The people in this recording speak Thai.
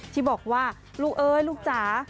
ที่บอกว่าลูกเอ้ยลูกจ๋า